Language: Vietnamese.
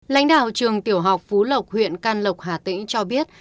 lãnh đạo trường tiểu học phú lộc huyện can lộc hà tĩnh cho biết